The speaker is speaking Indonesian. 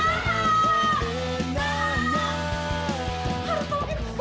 kamu jangan all sheik